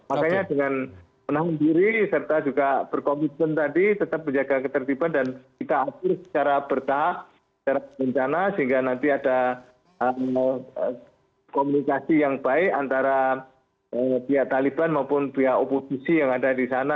makanya dengan menahan diri serta juga berkomitmen tadi tetap menjaga ketertiban dan kita atur secara bertahap secara berencana sehingga nanti ada komunikasi yang baik antara pihak taliban maupun pihak oposisi yang ada di sana